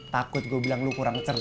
takut gue bilang lu kurang cerdas